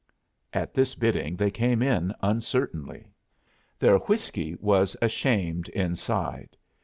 At this bidding they came in uncertainly. Their whiskey was ashamed inside.